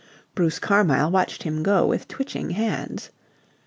Bruce Carmyle watched him go with twitching hands.